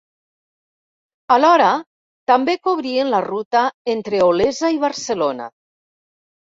Alhora, també cobrien la ruta entre Olesa i Barcelona.